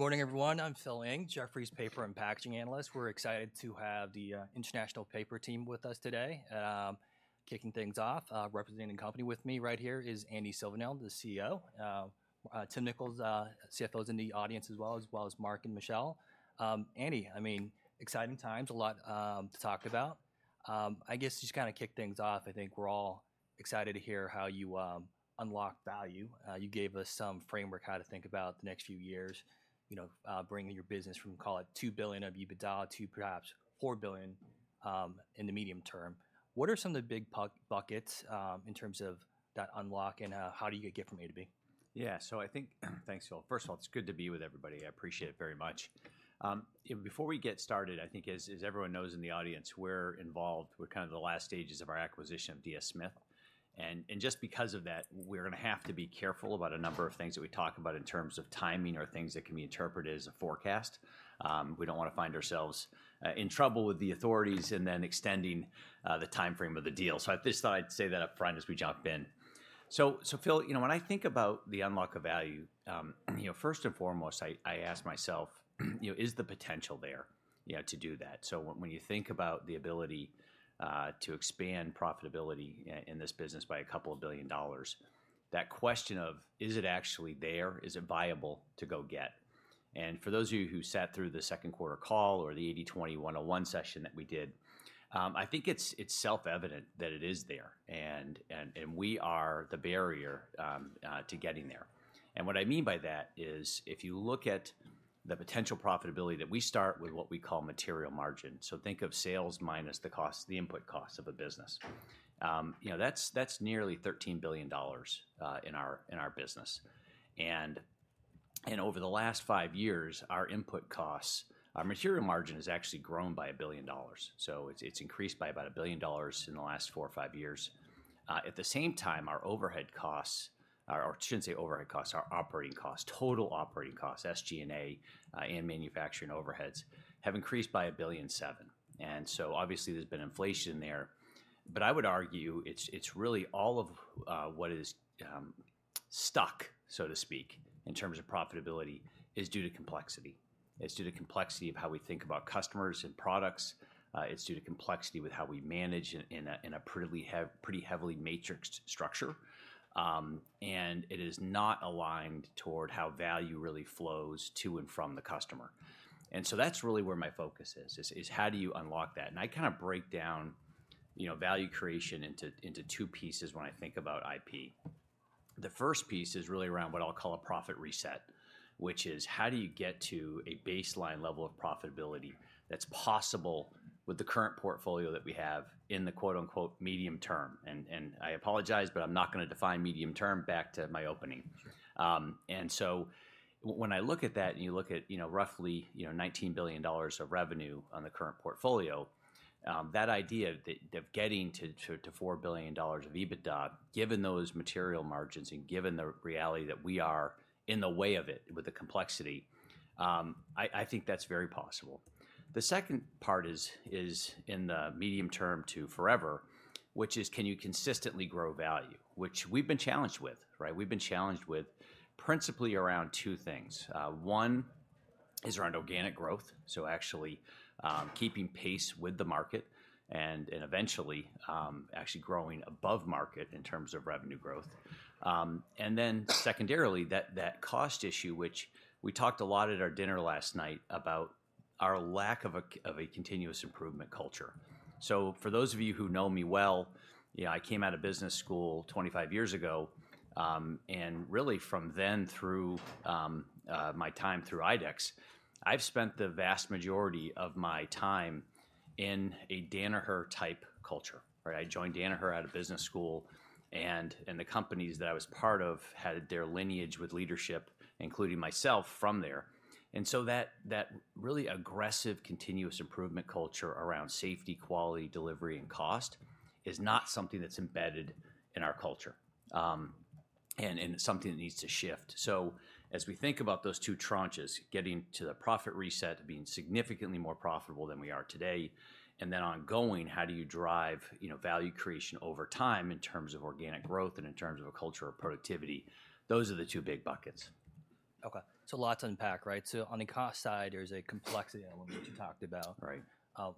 Good morning, everyone. I'm Phil Ng, Jefferies Paper and Packaging analyst. We're excited to have the International Paper team with us today. Kicking things off, representing the company with me right here is Andy Silvernail, the CEO. Tim Nicholls, CFO, is in the audience as well as Mark and Michelle. Andy, I mean, exciting times, a lot to talk about. I guess just to kind of kick things off, I think we're all excited to hear how you unlock value. You gave us some framework how to think about the next few years, you know, bringing your business from, call it, 2 billion of EBITDA to perhaps 4 billion in the medium term. What are some of the big buckets in terms of that unlock, and how do you get from A to B? Yeah, so I think, thanks, Phil. First of all, it's good to be with everybody. I appreciate it very much. Before we get started, I think as everyone knows in the audience, we're involved with kind of the last stages of our acquisition of DS Smith, and just because of that, we're gonna have to be careful about a number of things that we talk about in terms of timing or things that can be interpreted as a forecast. We don't wanna find ourselves in trouble with the authorities and then extending the timeframe of the deal. So I just thought I'd say that upfront as we jump in. So, Phil, you know, when I think about the unlock of value, you know, first and foremost, I ask myself, you know, "Is the potential there, you know, to do that?" So when you think about the ability to expand profitability in this business by a couple of billion dollars, that question of, is it actually there? Is it viable to go get? And for those of you who sat through the second quarter call or the 80/20 101 session that we did, I think it's self-evident that it is there, and we are the barrier to getting there. And what I mean by that is, if you look at the potential profitability, that we start with what we call material margin, so think of sales minus the cost, the input cost of a business. You know, that's nearly $13 billion in our business, and over the last five years, our input costs, our material margin has actually grown by $1 billion, so it's increased by about $1 billion in the last four or five years. At the same time, our overhead costs, or I shouldn't say overhead costs, our operating costs, total operating costs, SG&A, and manufacturing overheads, have increased by $1.7 billion, and so obviously there's been inflation there. But I would argue it's really all of what is stuck, so to speak, in terms of profitability, is due to complexity. It's due to complexity of how we think about customers and products. It's due to complexity with how we manage in a pretty heavily matrixed structure, and it is not aligned toward how value really flows to and from the customer. And so that's really where my focus is, how do you unlock that? And I kind of break down, you know, value creation into two pieces when I think about IP. The first piece is really around what I'll call a profit reset, which is, how do you get to a baseline level of profitability that's possible with the current portfolio that we have in the “medium term”? And I apologize, but I'm not gonna define medium term, back to my opening. Sure. And so when I look at that, and you look at, you know, roughly, you know, $19 billion of revenue on the current portfolio, that idea of getting to $4 billion of EBITDA, given those material margins and given the reality that we are in the way of it with the complexity, I think that's very possible. The second part is in the medium term to forever, which is, can you consistently grow value? Which we've been challenged with, right? We've been challenged with principally around two things. One is around organic growth, so actually, keeping pace with the market and eventually, actually growing above market in terms of revenue growth. And then secondarily, that cost issue, which we talked a lot at our dinner last night about our lack of a continuous improvement culture. So for those of you who know me well, you know, I came out of business school 25 years ago, and really from then through my time through IDEX, I've spent the vast majority of my time in a Danaher-type culture, right? I joined Danaher out of business school, and the companies that I was part of had their lineage with leadership, including myself, from there. And so that really aggressive, continuous improvement culture around safety, quality, delivery, and cost is not something that's embedded in our culture, and it's something that needs to shift. So as we think about those two tranches, getting to the profit reset, being significantly more profitable than we are today, and then ongoing, how do you drive, you know, value creation over time in terms of organic growth and in terms of a culture of productivity? Those are the two big buckets. Okay, so lots to unpack, right? So on the cost side, there's a complexity element, which you talked about. Right.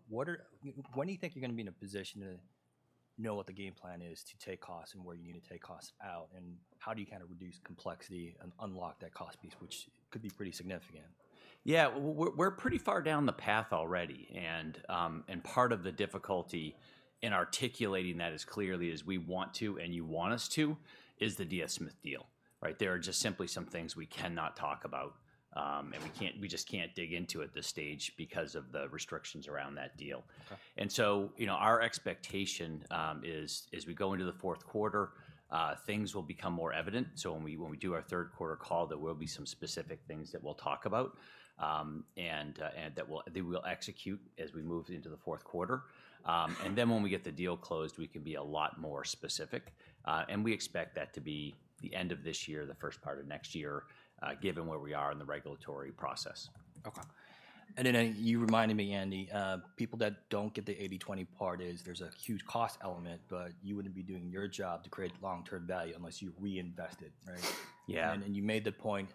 When do you think you're gonna be in a position to know what the game plan is to take costs and where you need to take costs out, and how do you kind of reduce complexity and unlock that cost piece, which could be pretty significant? Yeah, we're pretty far down the path already, and part of the difficulty in articulating that as clearly as we want to, and you want us to, is the DS Smith deal, right? There are just simply some things we cannot talk about, and we can't. We just can't dig into at this stage because of the restrictions around that deal. Okay. And so, you know, our expectation is as we go into the fourth quarter, things will become more evident. So when we do our third quarter call, there will be some specific things that we'll talk about, and that we'll execute as we move into the fourth quarter. And then when we get the deal closed, we can be a lot more specific, and we expect that to be the end of this year, the first part of next year, given where we are in the regulatory process.... And then, you reminded me, Andy, people that don't get the 80/20 part is there's a huge cost element, but you wouldn't be doing your job to create long-term value unless you reinvest it, right? Yeah. You made the point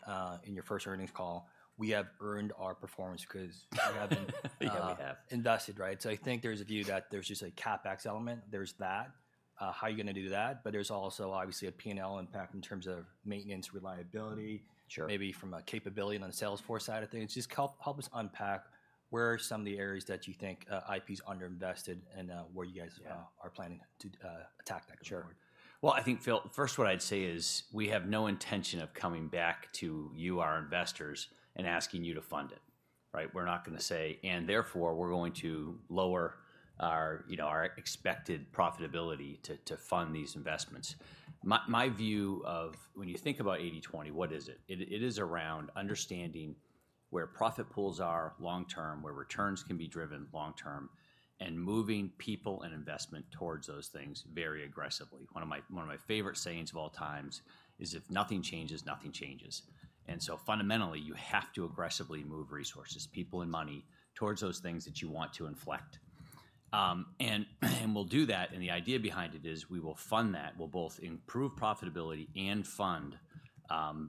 in your first earnings call, we have earned our performance because- Yeah, we have. invested, right? So I think there's a view that there's just a CapEx element, there's that, how are you gonna do that? But there's also obviously a P&L impact in terms of maintenance, reliability- Sure. - maybe from a capability on the sales force side of things. Just help us unpack where are some of the areas that you think, IP's underinvested, and, where you guys- Yeah... are planning to attack that going forward. Sure. Well, I think, Phil, first what I'd say is, we have no intention of coming back to you, our investors, and asking you to fund it, right? We're not gonna say, "And therefore, we're going to lower our, you know, our expected profitability to fund these investments." My view of when you think about 80/20, what is it? It is around understanding where profit pools are long-term, where returns can be driven long-term, and moving people and investment towards those things very aggressively. One of my favorite sayings of all time is, "If nothing changes, nothing changes, and so fundamentally, you have to aggressively move resources, people and money, towards those things that you want to inflect, and we'll do that, and the idea behind it is we will fund that. We'll both improve profitability and fund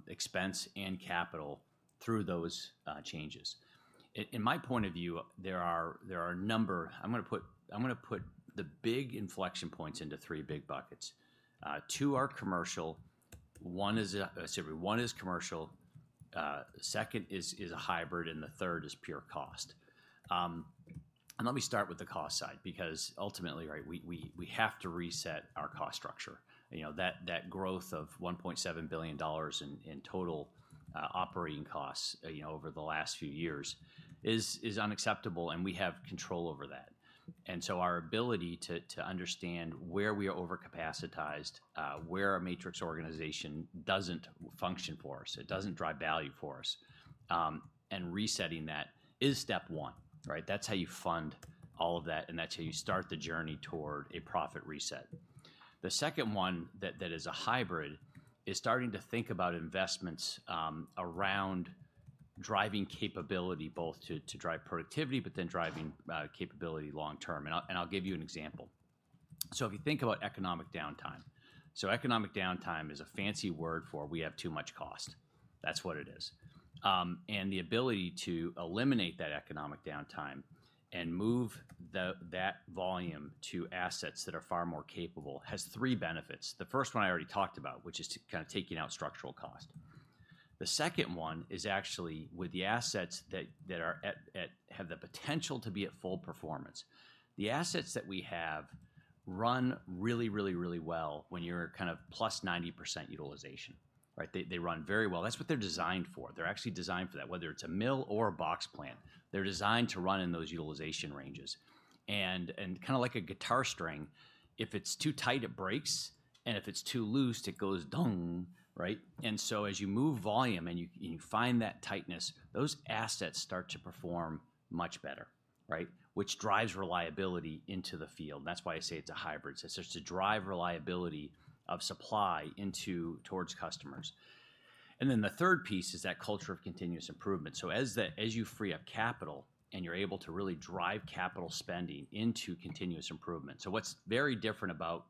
expense and capital through those changes. In my point of view, there are a number. I'm gonna put the big inflection points into three big buckets. Two are commercial, one is a-- Sorry, one is commercial, second is a hybrid, and the third is pure cost. And let me start with the cost side because ultimately, right, we have to reset our cost structure. You know, that growth of $1.7 billion in total operating costs, you know, over the last few years is unacceptable, and we have control over that. And so our ability to understand where we are over-capacitated, where our matrix organization doesn't function for us, it doesn't drive value for us, and resetting that is step one, right? That's how you fund all of that, and that's how you start the journey toward a profit reset. The second one that is a hybrid is starting to think about investments around driving capability, both to drive productivity, but then driving capability long term. And I'll give you an example. So if you think about economic downtime, so economic downtime is a fancy word for, "We have too much cost." That's what it is. And the ability to eliminate that economic downtime and move that volume to assets that are far more capable has three benefits. The first one I already talked about, which is to kind of taking out structural cost. The second one is actually with the assets that have the potential to be at full performance. The assets that we have run really well when you're kind of +90% utilization, right? They run very well. That's what they're designed for. They're actually designed for that, whether it's a mill or a box plant, they're designed to run in those utilization ranges. Kinda like a guitar string, if it's too tight, it breaks, and if it's too loose, it goes dung, right? And so as you move volume and you find that tightness, those assets start to perform much better, right? Which drives reliability into the field, and that's why I say it's a hybrid. It's just to drive reliability of supply into towards customers, and then the third piece is that culture of continuous improvement, so as you free up capital and you're able to really drive capital spending into continuous improvement, so what's very different about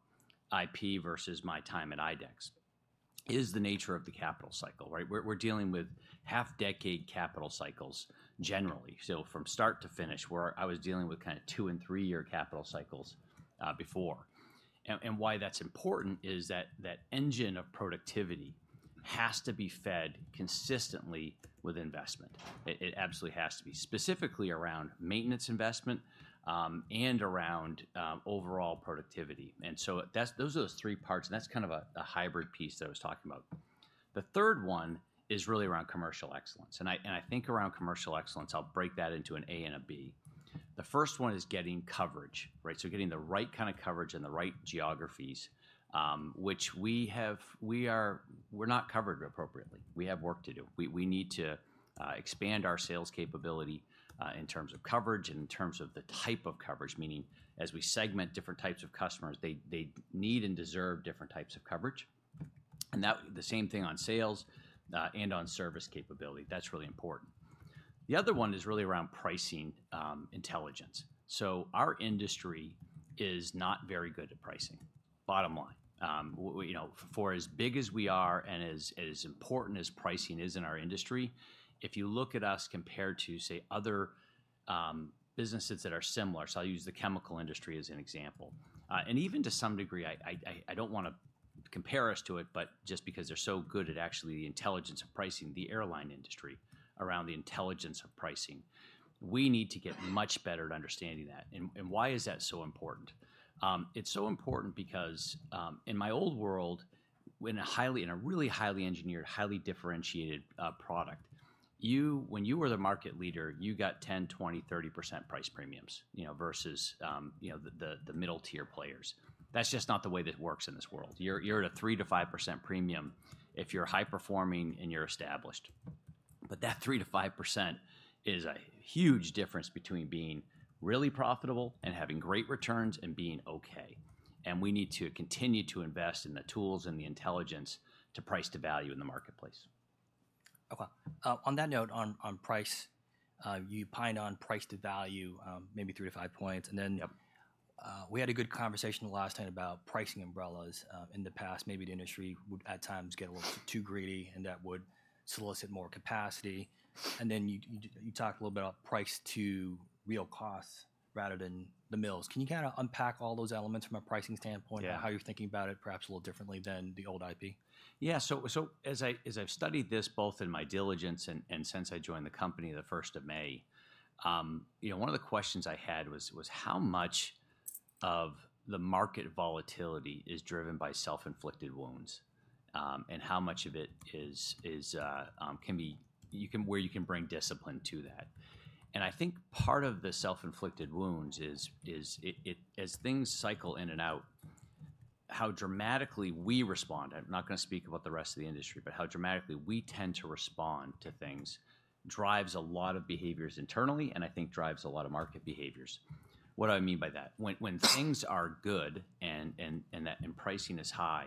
IP versus my time at IDEX is the nature of the capital cycle, right? We're dealing with half-decade capital cycles, generally, so from start to finish, where I was dealing with kind of two- and three-year capital cycles before, and why that's important is that that engine of productivity has to be fed consistently with investment. It absolutely has to be, specifically around maintenance investment and around overall productivity, and so that's those three parts, and that's kind of a hybrid piece that I was talking about. The third one is really around commercial excellence, and I think around commercial excellence, I'll break that into an A and a B. The first one is getting coverage, right? So getting the right kind of coverage in the right geographies, which we're not covered appropriately. We have work to do. We need to expand our sales capability in terms of coverage and in terms of the type of coverage, meaning, as we segment different types of customers, they need and deserve different types of coverage. And that, the same thing on sales and on service capability. That's really important. The other one is really around pricing intelligence. So our industry is not very good at pricing, bottom line. You know, for as big as we are and as important as pricing is in our industry, if you look at us compared to, say, other businesses that are similar, so I'll use the chemical industry as an example, and even to some degree, I don't wanna compare us to it, but just because they're so good at actually the intelligence of pricing, the airline industry, around the intelligence of pricing, we need to get much better at understanding that. And why is that so important? It's so important because in my old world, in a really highly engineered, highly differentiated product, when you were the market leader, you got 10%, 20%, 30% price premiums, you know, versus you know, the middle-tier players. That's just not the way it works in this world. You're at a 3%-5% premium if you're high-performing and you're established. But that 3%-5% is a huge difference between being really profitable and having great returns and being okay... and we need to continue to invest in the tools and the intelligence to price to value in the marketplace. Okay. On that note, on price, you pinned on price to value, maybe three to five points, and then we had a good conversation last time about pricing umbrellas. In the past, maybe the industry would, at times, get a little too greedy, and that would solicit more capacity. And then you talked a little bit about price to real costs rather than the mills. Can you kinda unpack all those elements from a pricing standpoint? Yeah. and how you're thinking about it, perhaps a little differently than the old IP? Yeah, so as I, as I've studied this both in my diligence and since I joined the company the first of May, you know, one of the questions I had was: how much of the market volatility is driven by self-inflicted wounds, and how much of it is, where you can bring discipline to that? And I think part of the self-inflicted wounds is it. As things cycle in and out, how dramatically we respond, I'm not gonna speak about the rest of the industry, but how dramatically we tend to respond to things, drives a lot of behaviors internally, and I think drives a lot of market behaviors. What do I mean by that? When things are good and pricing is high,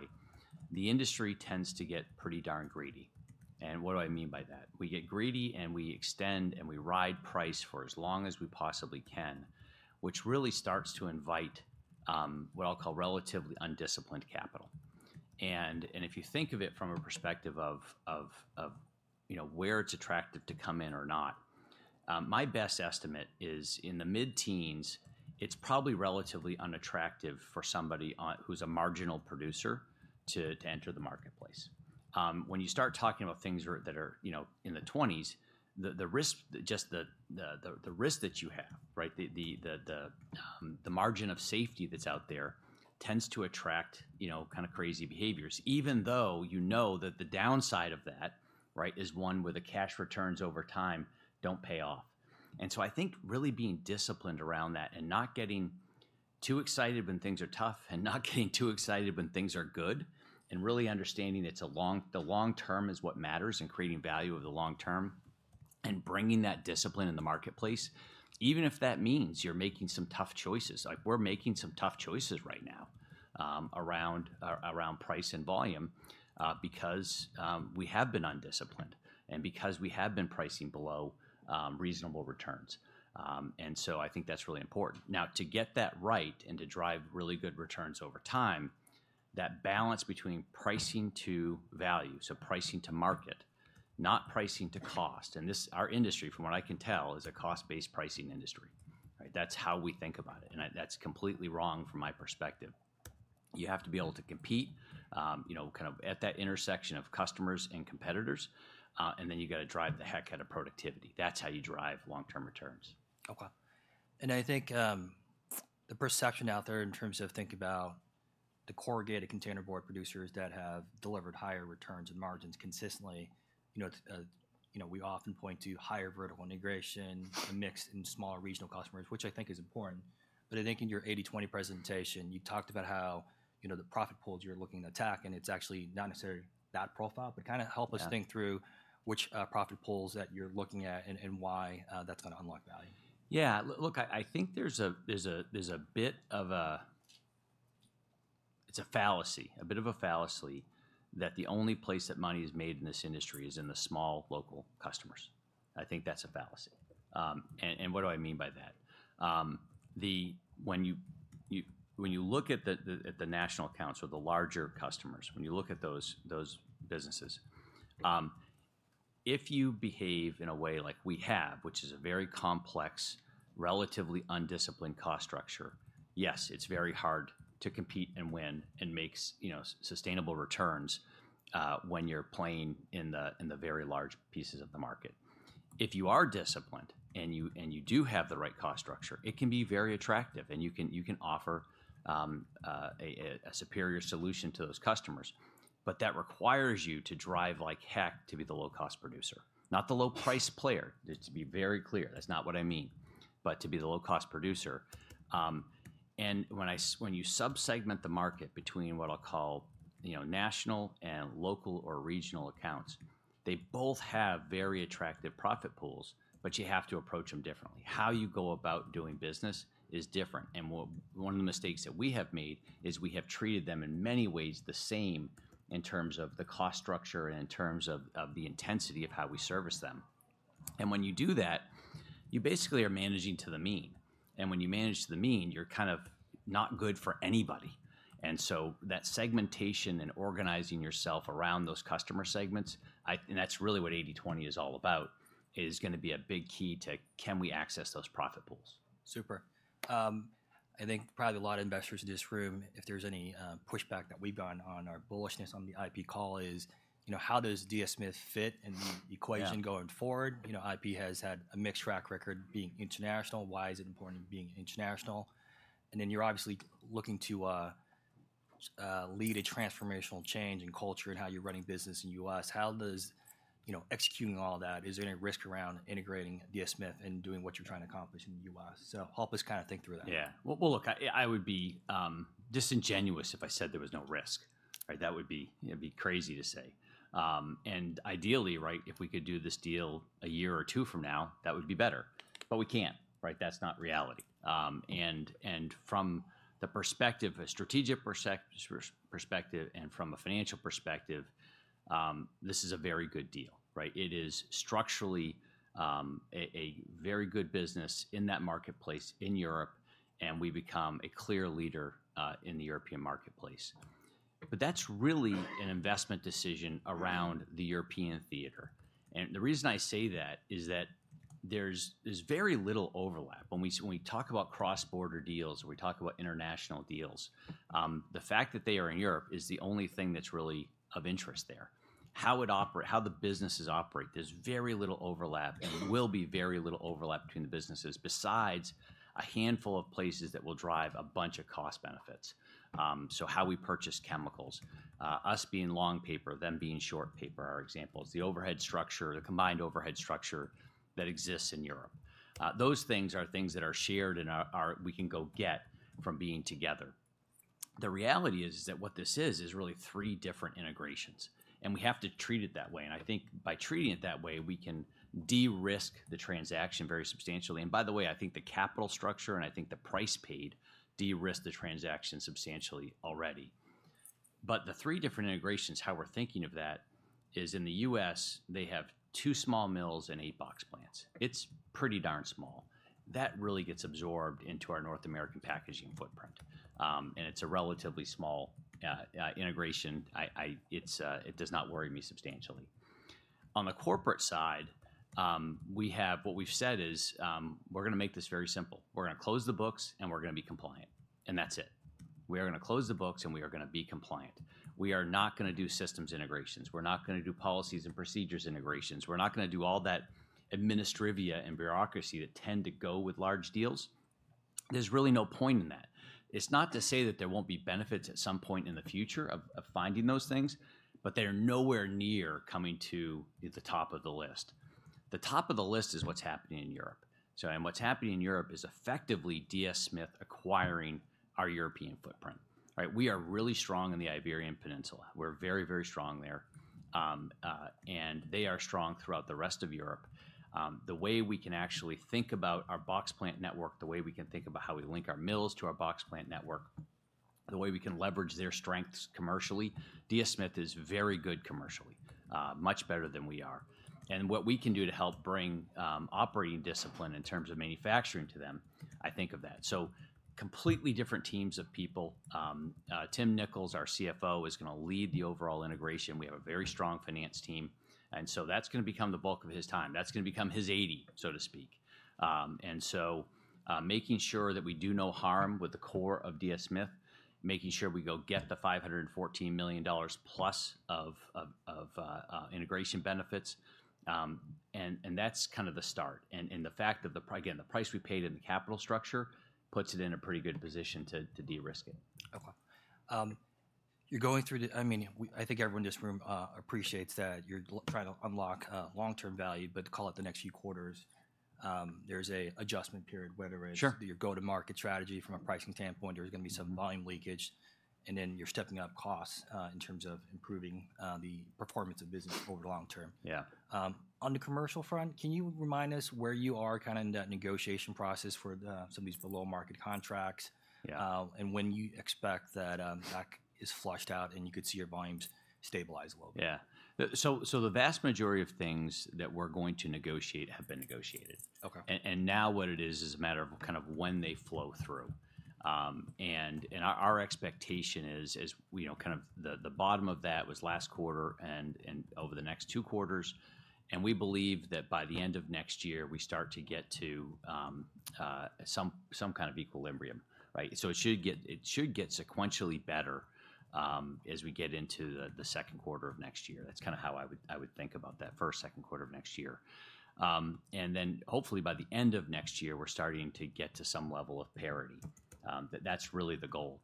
the industry tends to get pretty darn greedy. And what do I mean by that? We get greedy, and we extend, and we ride price for as long as we possibly can, which really starts to invite what I'll call relatively undisciplined capital. And if you think of it from a perspective of you know where it's attractive to come in or not, my best estimate is in the mid-teens it's probably relatively unattractive for somebody who's a marginal producer to enter the marketplace. When you start talking about things that are you know in the twenties the risk just the risk that you have right? The margin of safety that's out there tends to attract, you know, kind of crazy behaviors, even though you know that the downside of that, right, is one where the cash returns over time don't pay off, and so I think really being disciplined around that and not getting too excited when things are tough and not getting too excited when things are good, and really understanding it's the long term is what matters, and creating value over the long term, and bringing that discipline in the marketplace, even if that means you're making some tough choices, like, we're making some tough choices right now around price and volume because we have been undisciplined and because we have been pricing below reasonable returns, and so I think that's really important. Now, to get that right and to drive really good returns over time, that balance between pricing to value, so pricing to market, not pricing to cost, and this, our industry, from what I can tell, is a cost-based pricing industry, right? That's how we think about it, and that, that's completely wrong from my perspective. You have to be able to compete, you know, kind of at that intersection of customers and competitors, and then you've got to drive the heck out of productivity. That's how you drive long-term returns. Okay, and I think the perception out there in terms of thinking about the corrugated containerboard producers that have delivered higher returns and margins consistently, you know, we often point to higher vertical integration, a mix in smaller regional customers, which I think is important. But I think in your 80/20 presentation, you talked about how, you know, the profit pools you're looking to attack, and it's actually not necessarily that profile, but kind of- Yeah... help us think through which profit pools that you're looking at and why that's gonna unlock value. Yeah, look, I think there's a bit of a... It's a fallacy, a bit of a fallacy, that the only place that money is made in this industry is in the small, local customers. I think that's a fallacy, and what do I mean by that? When you look at the national accounts or the larger customers, when you look at those businesses, if you behave in a way like we have, which is a very complex, relatively undisciplined cost structure, yes, it's very hard to compete and win and make sustainable returns, you know, when you're playing in the very large pieces of the market. If you are disciplined, and you do have the right cost structure, it can be very attractive, and you can offer a superior solution to those customers. But that requires you to drive like heck to be the low-cost producer, not the low-price player. Just to be very clear, that's not what I mean, but to be the low-cost producer. And when you sub-segment the market between what I'll call, you know, national and local or regional accounts, they both have very attractive profit pools, but you have to approach them differently. How you go about doing business is different, and one of the mistakes that we have made is we have treated them, in many ways, the same in terms of the cost structure and in terms of the intensity of how we service them. And when you do that, you basically are managing to the mean, and when you manage to the mean, you're kind of not good for anybody. And so that segmentation and organizing yourself around those customer segments, and that's really what 80/20 is all about, is gonna be a big key to: can we access those profit pools? Super. I think probably a lot of investors in this room, if there's any, pushback that we've gotten on our bullishness on the IP call is, you know, How does DS Smith fit in the equation- Yeah... going forward? You know, IP has had a mixed track record being international. Why is it important it being international? And then you're obviously looking to lead a transformational change in culture and how you're running business in the U.S.. How does, you know, executing all that, is there any risk around integrating DS Smith and doing what you're trying to accomplish in the U.S.? So help us kind of think through that. Yeah. Well, look, I would be disingenuous if I said there was no risk. Right, that would be, it'd be crazy to say. And ideally, right, if we could do this deal a year or two from now, that would be better, but we can't, right? That's not reality. And from the perspective, a strategic perspective and from a financial perspective, this is a very good deal, right? It is structurally, a very good business in that marketplace in Europe, and we become a clear leader in the European marketplace. But that's really an investment decision around the European theater. And the reason I say that is that there's very little overlap. When we talk about cross-border deals, or we talk about international deals, the fact that they are in Europe is the only thing that's really of interest there. How the businesses operate, there's very little overlap, and there will be very little overlap between the businesses, besides a handful of places that will drive a bunch of cost benefits. So how we purchase chemicals, us being long paper, them being short paper, are examples. The overhead structure, the combined overhead structure that exists in Europe. Those things are things that are shared and we can go get from being together. The reality is, is that what this is, is really three different integrations, and we have to treat it that way, and I think by treating it that way, we can de-risk the transaction very substantially. And by the way, I think the capital structure, and I think the price paid, de-risk the transaction substantially already. But the three different integrations, how we're thinking of that, is in the U.S., they have two small mills and eight box plants. It's pretty darn small. That really gets absorbed into our North American packaging footprint. And it's a relatively small integration. It does not worry me substantially. On the corporate side, we have. What we've said is, we're gonna make this very simple. We're gonna close the books, and we're gonna be compliant, and that's it. We are gonna close the books, and we are gonna be compliant. We are not gonna do systems integrations. We're not gonna do policies and procedures integrations. We're not gonna do all that administrivia and bureaucracy that tend to go with large deals. There's really no point in that. It's not to say that there won't be benefits at some point in the future of, of finding those things, but they are nowhere near coming to the top of the list. The top of the list is what's happening in Europe. And what's happening in Europe is effectively DS Smith acquiring our European footprint, right? We are really strong in the Iberian Peninsula. We're very, very strong there. And they are strong throughout the rest of Europe. The way we can actually think about our box plant network, the way we can think about how we link our mills to our box plant network, the way we can leverage their strengths commercially. DS Smith is very good commercially, much better than we are. And what we can do to help bring operating discipline in terms of manufacturing to them, I think of that. So completely different teams of people. Tim Nicholls, our CFO, is gonna lead the overall integration. We have a very strong finance team, and so that's gonna become the bulk of his time. That's gonna become his eighty, so to speak. And so making sure that we do no harm with the core of DS Smith, making sure we go get the $514 million plus of integration benefits, and that's kind of the start. And the fact that the price we paid in the capital structure puts it in a pretty good position to de-risk it. Okay. You're going through. I mean, I think everyone in this room appreciates that you're trying to unlock long-term value, but call it the next few quarters. There's an adjustment period, whether it's- Sure... your go-to-market strategy from a pricing standpoint, or there's gonna be some volume leakage, and then you're stepping up costs, in terms of improving, the performance of business over the long term. Yeah. On the commercial front, can you remind us where you are kinda in that negotiation process for some of these below-market contracts? Yeah. And when you expect that is fleshed out, and you could see your volumes stabilize a little? Yeah. So, the vast majority of things that we're going to negotiate have been negotiated. Okay. Now what it is is a matter of kind of when they flow through. Our expectation is, you know, kind of the bottom of that was last quarter and over the next two quarters, and we believe that by the end of next year we start to get to some kind of equilibrium, right? So it should get sequentially better as we get into the second quarter of next year. That's kinda how I would think about that first, second quarter of next year, and then hopefully by the end of next year, we're starting to get to some level of parity. That's really the goal.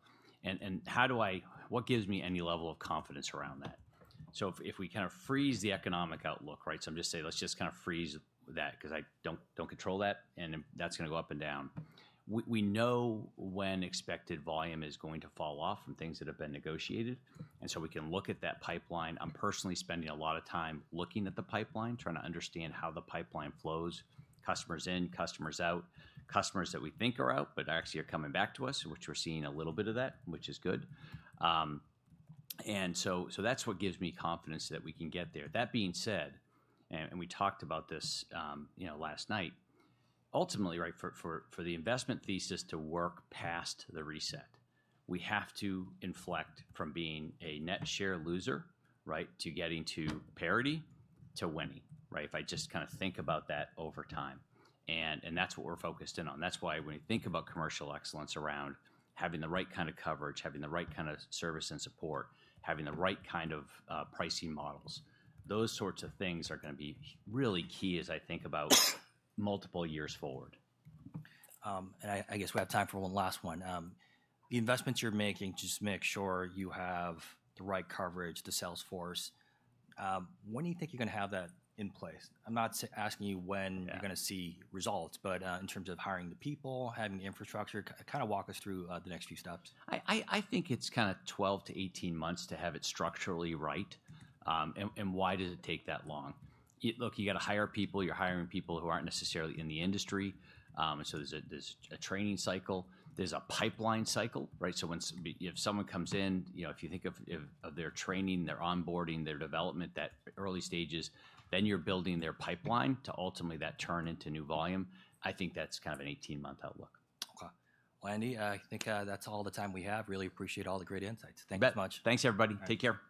What gives me any level of confidence around that? So if we kind of freeze the economic outlook, right? So I'm just saying, let's just kind of freeze that, 'cause I don't control that, and that's gonna go up and down. We know when expected volume is going to fall off from things that have been negotiated, and so we can look at that pipeline. I'm personally spending a lot of time looking at the pipeline, trying to understand how the pipeline flows, customers in, customers out, customers that we think are out, but actually are coming back to us, which we're seeing a little bit of that, which is good, and so that's what gives me confidence that we can get there. That being said, and we talked about this, you know, last night, ultimately, right, for the investment thesis to work past the reset, we have to inflect from being a net share loser, right, to getting to parity, to winning, right? If I just kinda think about that over time, and that's what we're focused in on. That's why when you think about commercial excellence around having the right kind of coverage, having the right kind of service and support, having the right kind of pricing models, those sorts of things are gonna be really key as I think about multiple years forward. I guess we have time for one last one. The investments you're making, just to make sure you have the right coverage, the sales force, when do you think you're gonna have that in place? I'm not asking you when- Yeah... you're gonna see results, but in terms of hiring the people, having the infrastructure, kind of walk us through the next few steps. I think it's kinda twelve to eighteen months to have it structurally right, and why does it take that long? Look, you gotta hire people. You're hiring people who aren't necessarily in the industry. So there's a training cycle. There's a pipeline cycle, right? So if someone comes in, you know, if you think of their training, their onboarding, their development, that early stages, then you're building their pipeline to ultimately that turn into new volume. I think that's kind of an eighteen-month outlook. Okay. Well, Andy, I think, that's all the time we have. Really appreciate all the great insights. You bet. Thanks so much. Thanks, everybody. All right. Take care.